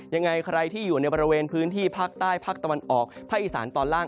ยังไงใครที่อยู่ในบริเวณพื้นที่ภาคใต้ภาคตะวันออกภาคอีสานตอนล่าง